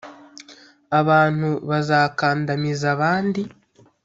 Abantu bazakandamiza abandi